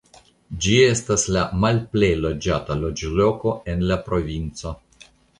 Ĝi estas la malplej loĝata loĝloko en la provinco.